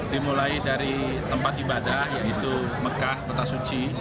dimulai dari tempat ibadah yaitu mekah peta suci